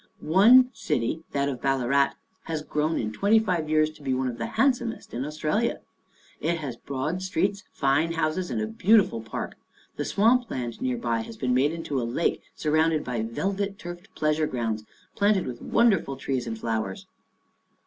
One city, that of Ballarat, has grown in twenty five years to be one of the handsomest in Aus tralia. It has broad streets, fine houses, and a beautiful park. The swamp land near by has been made into a lake surrounded by velvet turfed pleasure grounds, planted with wonderful trees and flowers.